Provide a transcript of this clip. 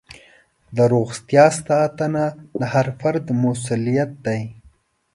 د روغتیا ساتنه د هر فرد مسؤلیت دی.